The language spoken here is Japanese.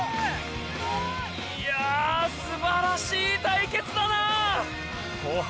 いやあすばらしい対決だなあ！